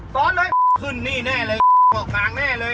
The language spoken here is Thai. ซ้อนเลยขึ้นนี่แน่เลยเกาะกลางแน่เลย